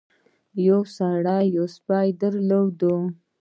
یو سړي یو سپی درلود.